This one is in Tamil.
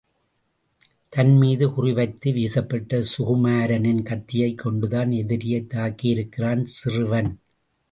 தன் மீது குறி வைத்து வீசப்பட்ட சுகுமாரனின் கத்தியைக் கொண்டுதான் எதிரியைத் தாக்கியிருக்கிறான் சிறுவன்.